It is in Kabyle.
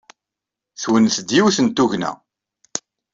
Twennet-d yiwet n tugna.